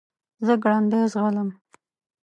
زه ګړندی ځغلم .